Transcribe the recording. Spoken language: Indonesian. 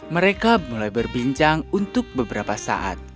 mereka mulai berbincang untuk beberapa saat